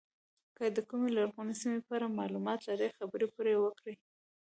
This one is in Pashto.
که د کومې لرغونې سیمې په اړه معلومات لرئ خبرې پرې وکړئ.